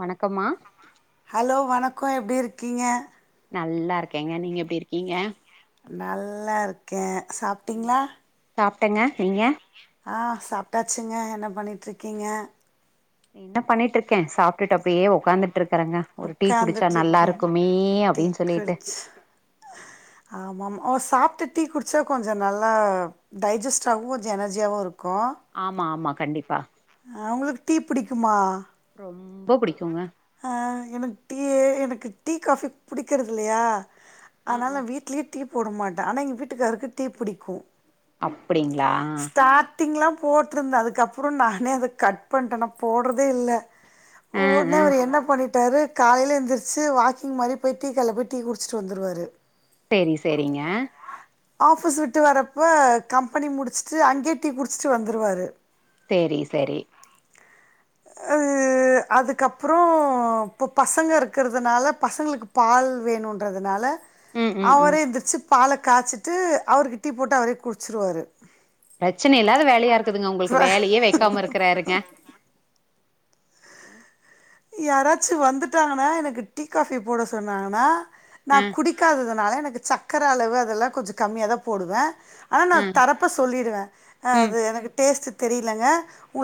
வணக்கம்மா ஹலோ வணக்கொ எப்டி இருக்கீங்க நல்லா இருக்கேங்க நீங்க எப்டி இருக்கீங்க நல்லா இருக்கே சாப்ட்டீங்களா சாப்ட்டேங்க நீங்க சாப்டாச்சுங்க என்ன பண்ணிட்ருக்கீங்க என்ன பண்ணிட்ருக்கே சாப்டுட்டு அப்டியே ஒக்காந்துட் ட்ருக்குரெங்க ஒரு டீ குடிச்சா நல்லா உக்காந்துட்ருக்கீங்க இருக்குமே டீ அப்டின் சொல்லிட்டு குடிச்சு அவ சாப்டு டீ குடிச்சா கொஞ்சொ நல்லா டைஜெஸ்டாவு சொ எனர்ஜியாவுருக் ஆமா ஆமா கண்டிப்பா அ அவுங்களுக்கு டீ பிடிக்குமா ரொம்ப பிடிக்குங்க அஹ் எனக்கு டீயே எனக்கு டீ காபி புடிக்கிறது இல்லையா ஆ ஆ அதனால வீட்லயே டீ போட மாட்டேன் ஆனா எங்க வீட்டுக்காருக்கு டீ பிடிக்கும் அப்படிங்களா ட்டிங்லாம் போட்டருந்தேன் அதுக்கப்புறம் நானே அதை கட் பண்ணட்டேன் நான் போடுறதே இல்லை ஆ உடனே ஆ ஒரு என்ன பண்ணிட் டாரு காலையில எந்திரிச்சி வாக்கிங் மாதிரி போய் டீ கடையில போய் டீ குடிச்சுட்டு வந்துருவாரு செரி செரிங்க ஆபிஸ் விட்டு வரப்ப கம்பெனி முடிச்சுட்டு அங்கே டீ குடிச்சுட்டு வந்துருவாரு தெரி சரி அதுக்கப்புறம் இப்போ பசங்க இருக்கிறதுனால பசங்களுக்கு பால் வேணுன்றதுனால ம் ம் ம் அவரே எந்திரிச்சிப் பாலை காய்சிட்டு அவருக்கு டீ போட்டு அவரே குடி ச்சுடுவாரு பிரச்சனை இல்லாத வேலையா இருக்குதுங்க உங்களுக்கு வேலையே வைக்காம இருக்கிறாருங்க அஹ் யாராச்சும் வந்துட்டாங்கண்ணா எனக்கு டீ காஃபி போட சொன்னாங்கண்ணா ஆ நான் குடிக்காதது அதனால எனக்கு சக்கரை அளவு அதெல்லாம் கொஞ்சம் கம்மியா தான் போடுவேன் ஆனா ஆ நான் தரப்ப சொல்லிடுவேன் ம் அது எனக்கு டேஸ்ட் தெரியலங்க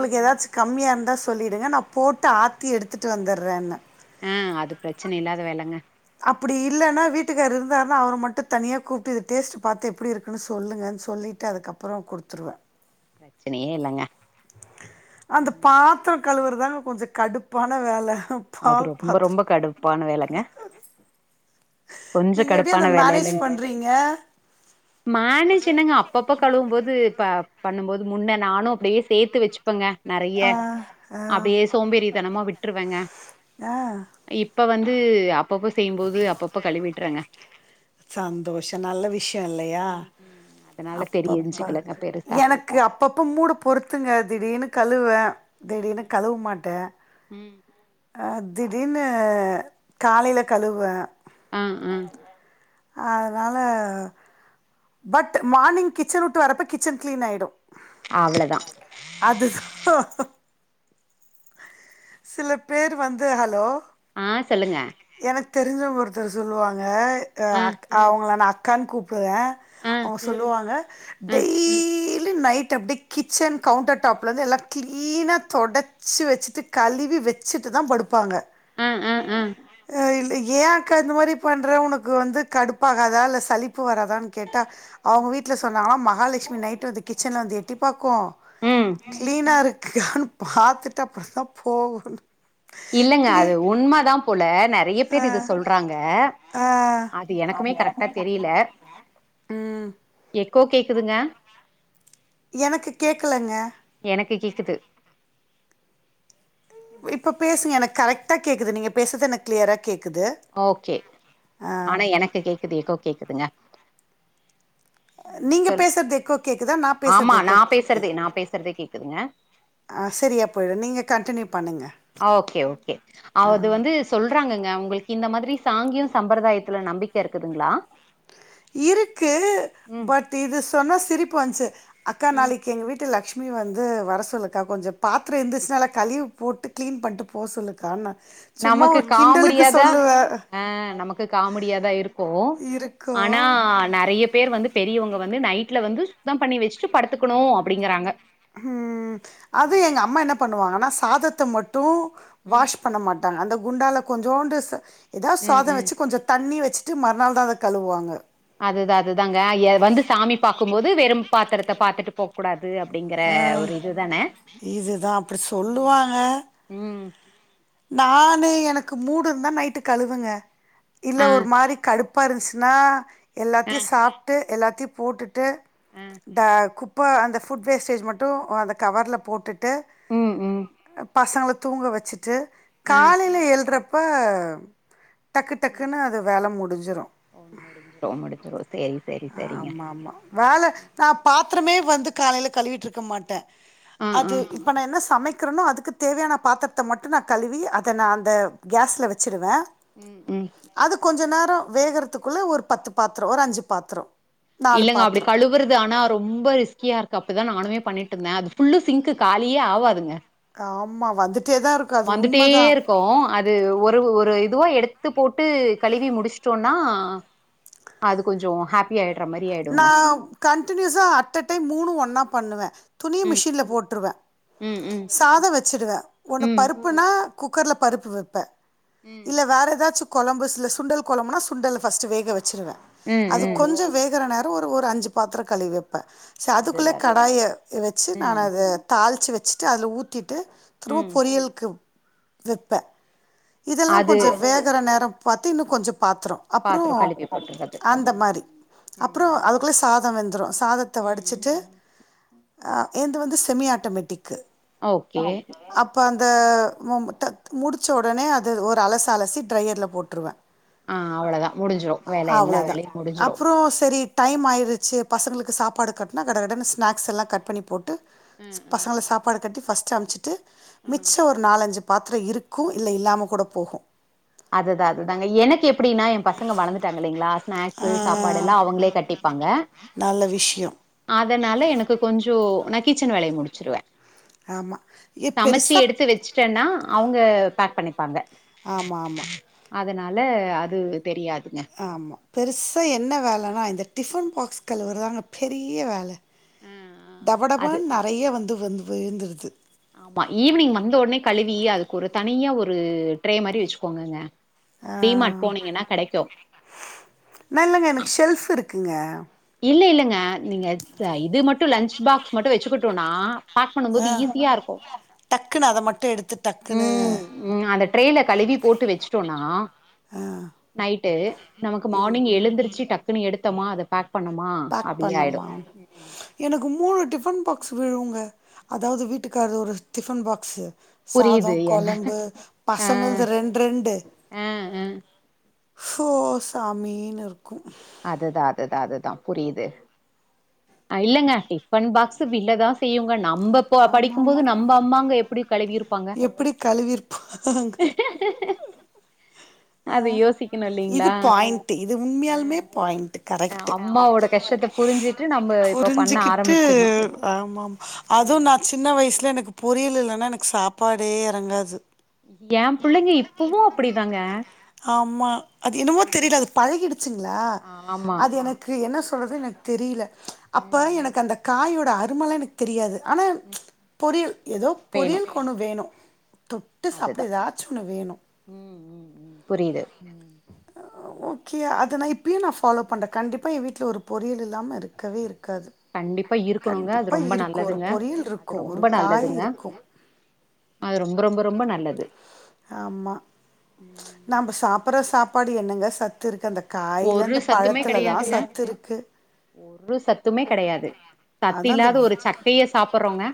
ம் ம் ஏதாச்சும் கம்மியா இருந்தா சொல்லி டுக நான் போட்டு ஆத்தி எடுத்து ட்டு வந்தடுறேன்ன ஆஹ் அது பிரச்சனை இல்லாத வேலைங்க அப்படி இல்லைன்னா வீட்டுக்காரு இருந்தாருன்னா அவரை மட்டும் தனியா கூப்பிட்டு இத டேஸ்ட் பார்த்துஎப்படி இருக்குன்னு சொல்லுங்கன்னு சொல்லிட்டு அதுக்கப்புறம் குடுத்துருவேன் பிரச்சனையே இல்லங்க அந்த ம் பாத்திரம் கழவுறு தாங்க கொஞ்சம் கடுப்பான வேலை அது ரொம்ப ரொம்ப கடுப்பான வேலைங்க கொஞ்சோ நீங்க எப்படி கடுப்பான அத மேனேஜ் பண்றீங்க மோனுஜ் என்னங்க அப்பப்ப கழுவும் போது இப்ப பண்ணும்போது முன்ன நானும் அப்படியே சேர்த்து வச்சுப்பேங்க நறைய ஆ ஆ அப்படியே சோம்பேறித்தனமா விட்டுருவேங்க ஆஹ் இப்ப வந்து அப் அப்பப்ப செய்யும்போது அப்பப்ப கழுவிட்டுறாங்க சந்தோஷம் நல்ல விஷயம் இல்லையா ம் ம் அதனால அப்பப்ப தெரிஞ்சுக்கலங்க பெருசா எனக்கு அப்பப்ப மூட பொறுத்துங்க திடீர்னு கல் துவே திடீர்னு கழுவ மாட்ட உம் திடீர்னு காலையில கழுவுவேன் ம் ம் அதனால பட் மார்னிங் கிச்சன் விட்டு வரப்ப கிச்சன் கிளீன் ஆயிடும் அவ்ளதா அதுதான் சில பேர் வந்து ஹலோ ஆஹ் சொல்லுங்க தெரிஞ்ச ஒருத்தர் சொல்லுவாங்க ஆ அவங்கள நா அக் கண்கூப் ஆ அவங்க சொல்லுவாங்க ஆ டெய் லி நைட் அப்டி கிச்சன் கவுண்டர் டாப்ல வந்து எல்லாம் கிளீனா தொடச் ச்சு வச்சுட்டு கழுவி வச்சுட்டு தான் படுப்பாங்க ஆ ஆ ஆ ஆஹ் இல்லை [unintelligible] ப்பு வராதான்னு கேட்டா ம் அவங்க வீட்ல சொ திப்பாக் ம் க்கு கான் பாத்துட் தப் தப்பு போவுது இல்ல ஆ ம் கோ கேக்குதுங்க எனக்கு கேக்கலங்க எனக்கு கேக்குது இப்ப பேசுங்க எனக் கரக்டா கேக்குது நீ பேசறது எனக்கு கிளியரா கேக் ஓகே ஆனா எனக்கு கேக்குது எக்கோ கேக்குதுங்க நீங்க சொல்லு பேசுறது எக்கோ கேட்குதா நான் ஆமா பேசுறது எக்கோ நான் பேசுறதே கேட்குது நான் பேசுறதே கேக்குதுங்க ஆ சரியா போயிடும் நீங்க கண்டினியூ பண்ணுங்க ஓகே ஓகே அது வந்து சொல்றாங்கங்க உங்களுக்கு இந்த மாதிரி சாங்கியோ சம்பிரதாயத்துல நம்பிக்க இருக்குதுங்குளா இருக்கு பட் இது சொன்ன சிரிப்பு வந்துச்சு அக்கா ம் நாளைக்கு எங்கு வீட்டு லக்ஷ் ஷ்மி வந்து வர சொல்லுக்கா கொஞ்ச பாத்திர இருந்துச்சுனால்லா கழிவு போட்டு கிளீன் பண்ணிட்டு போ சொல்லுக்காணா நமக்கு காமெடியாதா ஆஹ் நமக்கு காமெடியாதா இருக்கு ஆனா இருக்கும் நெறிய பேர் வந்து பெரியவங்க வந்து நைட்ல வந்து சுத்தம் பண்ணி வெச்சுட்டு படுத்துக்குணு அப்டிங்கிறாங்க உம் அது எங்க அம்மா என்ன பண் ண்ணுவாங்கூனா சாதத்த மட்டு ம் வாஷ் பண்ண மாட்டாங்க அந்த குண்டால கொஞ்சோண்டு சா எதா ம் சாத ம் வெச்சு கொஞ்ச தண்ணி வெச்சு ட்டு மறுநாள்தா அத கழுவுவாங்க அதுதா அதுதாங்க ஏ வந்து சாமி பாக்கும்போது வெறும் பாத்துரத்த பாத்துட்டு போக் கூடா அஹ் இதுதா அப்டி ம் சொல்லுவாங்க ம் நானு எனக்கு மூடு இருந்தா நைட்டு கழுவுங்க இல்ல ஆ ஒரு மாரி கடுப் ப்பா இருஸ்சுனா ஆ எல்லாத்தையு சாப்புட்டு எல்லாத் த்தி போட்டுட் டு ஆ அந்த குப் இப்ப அந்த ஃபுட் வேஸ்டேஜ் மட்டு அஹ் அந்த கவர்ல போட்டுட் ட்டு ம் ம் அப் பசங்குள தூங்க வெச்சுட்டு காலையில ஏழ்றப் ப்பாம் டக்கு டக்குன்னு அது வேல முடி ஞ்சுரு ஓ முடிஞ்சுரு முடிஞ்சுரு சேரி சேரி செரிங்க பாத்துரமே வந்து காலையில கழுவிட்ருக்க மாட்டே ஆ ஆ அது இப்ப நா என்ன சமைக் இருக்கரணோ அதுக்கு தேவையான பாத்துரத்த மட்டு நா கழுவி அத நா அந்த கேஸ்ல வெச்சுருவே உம் உம் கொஞ்சம் நேரம் வேகறதுக்குள்ள ஒரு பத்து பாத்திரம் ஒரு அஞ்சு பாத்திரம் இல்லங்க அப்படி கழுவுறது ஆனா ரொம்ப கக்கியா இருக்கு அப்படிதான் நானுமே பண்ணி இருந்தேன் அது பு சிங்க் காலியே ஆகாது ஆமா வந்துட்டே தா இருக்கு அது வந்துட்டே உண்மதா இருக்கோ அது ஒரு ஒரு இது து எடுத்து போட்டு கழுவி முடிச்சுிட்டோம்னா அது கொஞ்சம் ஹாப்பி ஆய நான் கண்டினியூஸா அட்ட் டைம் மூணு ஒன்னா பண்ணுவேன் துணிய ம் மிஷின்ல போட்டுருவேன் ம் ம் சாதம் வச்சடுவேன் உன்னு ம் பருப்புனா குக்கரில் பருப்பு வைப்பேன் ம் இல்ல வேற ஏதாச்சும் குழம்பு சல சுண்டல் குழம்புன சுண்டல் வேக வச்சு ச்சருவேன் ம் அது ம் கொஞ்சம் வேக நேரம் ஒரு அஞ்சு பாத்திர கழி வைப்பு அதுக்குள்ள அதுதா அது கடாய வச்சு நான் ம் தாள வச்ச வச்சுட்டு அது ஊத்திட்டு திரும்ப ம் பொரியலுக்கு வெப்ப இதெல்லாம் அது கொஞ்சம் வேகற நேரம் பத்தி இன்னும் கொஞ்சம் பாத்திரோம் அப்புறம் பாத்ரோ கழுவி போட்றது அந்த ம் மாதிரி அப்புறம் ம் அதுக்குள்ள ச தம்ந்துரம் சாதத்தை ம் வடிச்சிட்டு ஆ எது வந்து செமி ஆட்டோமேட்டிக் ஓகே அ இப்போ அந்த முடிச்ச உடனே அது ஒரு அலச அலசி ட்ரையரில் போட்டுருவேன் ஆஹ் அவ்வளவுதான் முடிஞ்சிரும் வேலை எல்லா வேலையும் முடிஞ்சிரும் சரி டைம் ஆயிடுச்சு பசங்களுக்கு சாப்பாடு கட்டினா கட கடன்ன ஸ்நாக்ஸ் எல்லாம் கட் பண்ணி போட்டு ம் ம் பசங்களை சாப்பாடு கட்டி ஃபர்ஸ்ட் அப்பச்சிட்டு ம் மிச்சம் ஒரு நாலஞ்சு பாத்திரம் இருக்கு க்கும் இல்ல இல்லாமல் கூட போகும் அதுதான் அதுதாங்க எனக்கு எப்படின்னா என் பசங்க வளந்துட்டாங்க இல்லலைங்களா ஆ ஸ்நாக்ஸ் சா பாடல்லாம் அவங்களே கட்டிப்பாங்க நல்ல விஷ்யோ அதனால எனக்கு கொஞ்சம் நான் கிச்சன் வேலையை முடிச்சிருவேன் ஆமா எ சமைச்சு பெருசா எடுத்து வச்சுட்டேன்னா அவங்க பேக் பண்ண பாங்க ஆம்மா அதனால அது தெரியாது ஆமா பெருசா என்ன வேலைனா அ டிஃபன் பாக்ஸ் கலுவுரதாங்க பெரிய வேலை அது டபடபான் நிறைய வந்து வந்து உயந்துடுது ஆமா ஈவினிங் வந்த உடனே கழுவி அதுக்கு ஒருத்தான் தனைய ஒரு ட்ரே மாதிரி வச்சுக்கோங்கங்க டிமார்ட் ஆஹ் போனீங்கன்னா கெடைக்கும். நல்லங்க எனக்கு ஷெல்ஃப் இருக்கு இருக்குங்க இல் இல்லைங்க நீங்க இது மட்டும் லன்ச் பாக்ஸ் மட்டும் வச்சுக்கிட்டோனா ப் பண்ணும்போது ஆ ஈஸியா இருக்கும் டக்குன்னு அத மட்டு எடுத்து டக்குன்னு உம் உம் அந்த ட்ரேல கழுவி போட்டு வச்சு சொனா ஆ நைட்டு நமக்கு மார்னிங் எழுந்தருச்சு டக்குனு எடுத்தோமா அ பேக் பண்ணோமா, அப்டி பண்ண ஆயிடும். ம். எனக்கு மூணு ப் விழுவங்க அதாவது வீட்டுக்கருர் ஒரு டிஃபன் பாக்ஸ் புரியுது. சாதம் எல் குழம்பு அ, பசங்களது ரெண்டு ரெண்டு அ, அ. சோ சாமனு இருக்கும் அதுதான் அதுதான் அதுதான் புரியுது இல்லைங்க டிஃபன் பாக்ஸ் வலதான் செய்யுங்க ந ந படிக்கும்போது ஆமாமா நம்ம அம்மாங்க எப்படி கழுவிிருப்பாங்க எப்டி கழுவிருப்பாங்க அதது யோசிக்கணும் இது இல்லங்களா பாயிண்ட்டு இது உண்மையாலுமே பாயிண்ட்டு அம்மாவோட கஷ்டத்தை புரிஞ்சுட்டு புரிஞ்சுிக்கிட்டு ஆம அ அதுவும் நான் சின்ன வயசுல எனக்கு பொரியல் இல்லைனா எனக்கு சாப்பாடே இறங்காது ஏ புள்ளைங்க இப்பவு அப்டிதாங்க ஆமா அது என்னமோ தெரியல அது பழகிடுச்சுங்களா அ ஆமா அது எனக்கு என்ன சொல்து எனக்கு தெரியல அப்ப ம் ம் எனக்கு அந்த காயோட அருமல எனக்கு தெரியாது ஆனா ம் பொரியல் ஏதோ வேணு பொரியல்க்கு ஒன்னு வேணு தொட்டு சாப்ட அதுதா ஏதாச்சு ஒன்னு வேணு ம் ம் ம் புரியுது ம் ஓகே அத நா இப்பயும் நா ஃபாலோ பண்றே கண்டிப்பா ஏன் வீட்ல ஒரு பொரியல் இல்லாம இருக்கவே இரு கண்டிப்பா இருக்கணுங்க அது ரொம்ப இருக்கும் ஒரு நல்லதுங்க பொரியல் அது இருக்கும் ஒரு ரொம்ப காய் நல்லதுங்க இருக்கும் அது ரொம்ப ரொம்ப ரொம்ப நல்லது உம் பட்ற சாப்பாடு என்னங்க சத்து இருக்கு அந்த காயில ஒரு அந்த சத்துமே பழத்துலதா கெடையாதுங்க சத்து இருக்கு ஒரு சத்துமே கெடையாது சத்து அதா அந்த இல்லாத ஒரு சக்கைய சாப்புட்றோங்க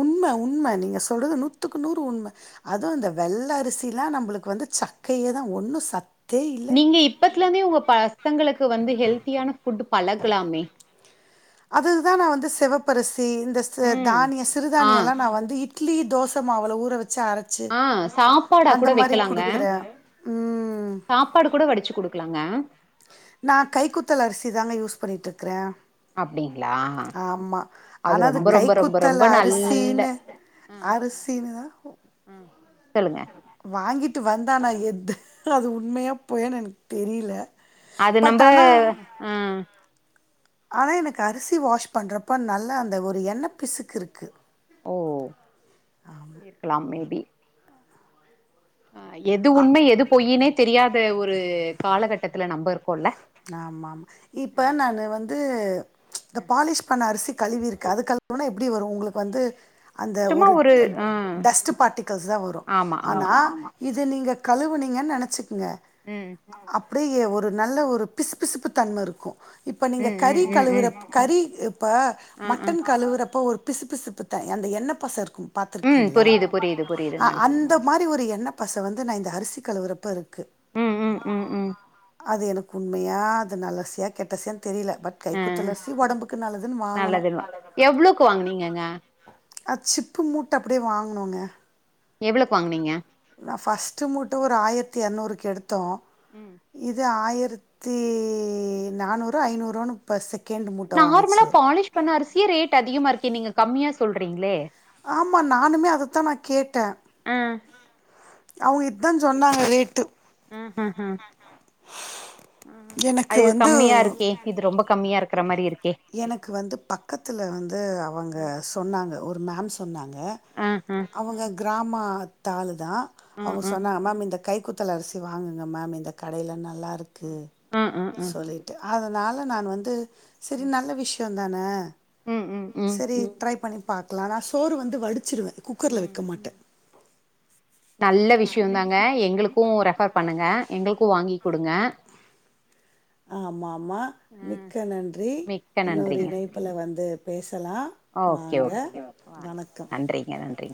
உண்ம உண்ம நீங்க சொல்றது நூத்துக்கு நூறு உண்ம அதுவு இந்த வெள்ள அரிசில்லா நம்பளுக்கு வந்து சக்கையேதா ஒன்னு சத் நீங்க இப்பத்துலருந்தே உங்க பசங்களுக் கு வந்து ஹெல்த்தியான ஃபுட் பழக்கலாமே அதுக்குதா நா வந்து செவப்பு அரி சி இந்த ச ம் தானியோ ஆ சிறுதானியோ எல்லா நா வந்து இ ட்லி தோச மாவுல ஊற வ ஆஹ் சாப்பாடா கூட வைக்கலாங்க குடுக்குறே ம் சாப்பாடு கூட வடிச்சு குடுக்கலாங்க நா கைக்குத்தல் அரிசிதாங்க யூஸ் பண்ணிட்டு இருக்கறே அப்டிங்களா ஆமா ஆனா அது ரொம்ப ரொம்ப ரொம்ப கைக்குத்தல் ரொம்ப நல்ல அரிசினு ஆ அரிசினுதா ஆ சொல்லுங்க வாங்கி ட்டு வந்தா நா எது அது உண்மையா பொய்யானு எனக்கு தெரியல அது நம்ப ஆஹ் ஆனா எனக்கு அரிசி வாஷ் பண்றப்ப நல்ல அந்த ஒரு எண்ண பிசுக்கு இருக்கு ஓ இருக்கலா மேபி ஆஹ் எது உண்மை எது பொய்யினே தெரியாத ஒரு காலகட்டத்தில நம்ப இருக் ஆமா ஆமா இப்ப நானு வந்து இந்த பாலிஷ் பண்ண அரிசி கழுவி இருக்கு அது கழுவுனா எப்டி வரு உங்களுக்கு வந்து அந்த சும்மா ஒரு ட ஆ டஸ்ட்டு பார்ட்டிகல்ஸ்தா வரு ஆமா ஆமா ஆனா இத நீங்க கழுவுனீங்கன்னு நெனச்சுக் குங்க ம் அப் டியே ஒரு நல்ல ஒரு பிசுபிசுப்பு தன்மை இருக்கு இப்போ நீங்க ம் கறி ம் ம் கழுவுற ம் கறி ப்ப ஆ ஆ மட்டன் கழுவுறப்ப ஒரு பிசு பிசுப்புத்தன் அந்த என்ன பச இருக்கும் ம் பாார்த்திருக்கீங்களா புரியுது புரியுது அ புரியுதுங்க அந்த மாரி ஒரு எண்ணை பச வந்து நா இந்த அரிசிக் கழுவுறப்ப இருக் ம் ம் ம் ம் அது எனக்கு உண்மையாக அது நல்ல அரிசியா கெட்டசிய தெரியல பட் கை ஆ குத்தலசி உடம்புக்கு நல்லதுன்னு வாங்கணு நல்லதுல்ல எவ்ளோக்கு வாங்குனீங்கங்க அ சிப்பு மூட்டை அப்படியே வாங்கனுங்க எவ்வளக்கு வாங்கனீங்க நா ஃபஸ்ட்டு முட்ட ஒரு ஆயிரத்தத்துநூறுக்கு எடுத் தே ம் இது ஆயிரத்த ரித்தி நானூ ஐநூறு [unintelligible] நார்மலா பாலிஷ் பண்ண அரிசியே ரேட் அதிகமா இகே நீங்க கம்மியா சொல்லிறீங்களே ஆமா நானுமே அதத்தான் நா கேட்டேன் ஆ அவங்க இதுதான் சொன்னாங்க ரேட்டு ஆஹ் ஆஹ ஆஹ ஹ எனக்கு அது வந்து கம்மியா இருக்கே இது ரொம்ப கம்மியா இருக் ற மாரி இருக் எனக்கு வந்து பக்கத்து வந்து அவங்க ம் சொன்னாங்க ஒரு மேம் சொன்னாங்க ஆ ஆ அவங்க கிராமத்தால தான் ஆளுதான் ஆ அவங்க ஆ சொன்னாங்க மேம் இந்த கை குத்தல் அரிசி வாங்குங்க மேம் இந்த கடிலன்னாங் நல்லா இருக்கு ஆ ஆ ஆ சொல்லிட்டு அதனால் நான் வந்து சேரி நல்ல விஷ் ந்தானே ம் ம் ம் ம் சேரி ட்ரை பண்ணி பார்க்கலாம் நா சோறு வந்து வடிச்சிருடுவே குக்கரில் ம். வைக்க மாட்டே நல்ல விஷயம் தாங்க எங்களுக்கும் ரெஃபர் பண்ணுங்க எங்களுக்கு வாங்கி குடுங்க ஆமா ஆமா அ மிக்க நன்றி மிக்க இன்னொரு நன்றிங்க இணைப்புல வந்து பேசலா ஓகே வாங்க ஓகேங்க வாங்க. வணக்கம் நன்றிங்க நன்றிங்க